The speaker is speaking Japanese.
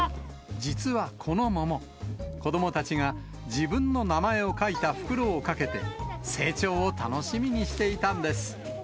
実はこの桃、子どもたちが、自分の名前を書いた袋をかけて、成長を楽しみにしていたんです。